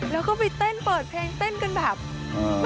แล้วก็ไปเต้นเปิดเพลงเต้นกันแบบ